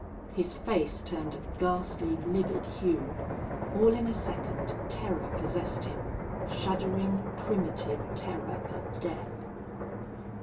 His face turned a ghastly, livid hue. All in a second terror possessed him shuddering, primitive terror of death.